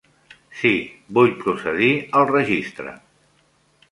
Sí, vull procedir al registre!